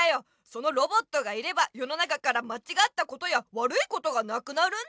そのロボットがいれば世の中からまちがったことや悪いことがなくなるんだよ！